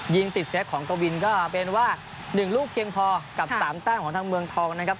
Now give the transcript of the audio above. ยิงติดเซฟของกวินก็เป็นว่า๑ลูกเพียงพอกับ๓แต้มของทางเมืองทองนะครับ